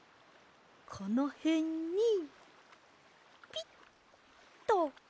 このへんにピッと。